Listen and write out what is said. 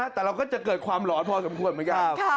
แต่เราก็จะเกิดความหลอนพอสมควรไม่ยาก